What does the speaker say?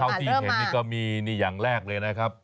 ชาวที่เห็นก็มีอย่างแรกเลยนะครับ